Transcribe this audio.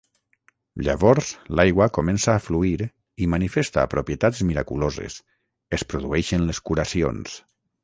Llavors, l'aigua comença a fluir i manifesta propietats miraculoses: es produeixen les curacions.